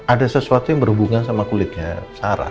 ada sesuatu yang berhubungan sama kulitnya sarah